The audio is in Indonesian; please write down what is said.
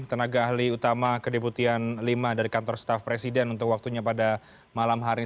tenaga ahli utama kedeputian lima dari kantor staff presiden untuk waktunya pada malam hari ini